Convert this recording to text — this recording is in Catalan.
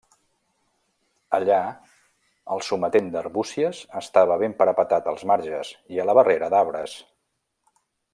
Allà el sometent d'Arbúcies estava ben parapetat als marges i a la barrera d'arbres.